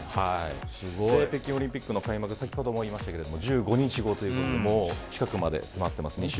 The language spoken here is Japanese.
北京オリンピックの開幕先ほども言いましたが１５日後ということでもう近くまで迫っています。